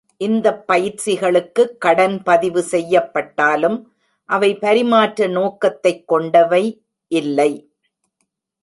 இந்தப் பயிற்சிகளுக்குக் கடன் பதிவு செய்யப்பட்டாலும், அவை பரிமாற்ற நோக்கத்தைக் கொண்டவை இல்லை.